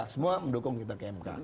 semua mendukung kita ke mk